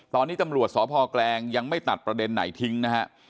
ตอนนี้ตำรวจสพแกลงยังไม่ตัดประเด็นไหนทิ้งนะฮะ